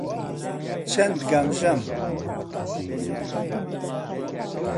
چەند گەمژەم!